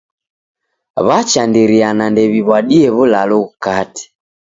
W'achandiriana ndew'iw'adie w'ulalo ghukate.